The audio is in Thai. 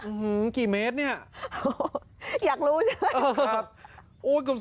อื้อหือกี่เมตรเนี่ยอยากรู้ใช่มั้ย